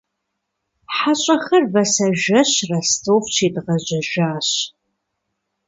Хьэщӏэхэр вэсэжэщ Ростов щедгъэжьэжащ.